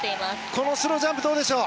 このスロージャンプどうでしょう？